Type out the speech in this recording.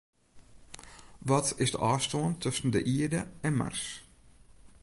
Wat is de ôfstân tusken de Ierde en Mars?